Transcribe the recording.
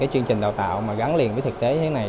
cái chương trình đào tạo mà gắn liền với thực tế như thế này